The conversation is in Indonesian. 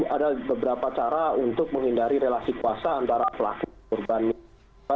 ada beberapa cara untuk menghindari relasi kuasa antara pelaku dan korbannya